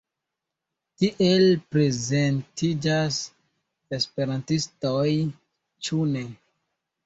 Tiel prezentiĝas esperantistoj, ĉu ne?